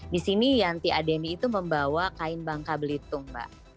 di sini yanti adeni itu membawa kain bangka belitung mbak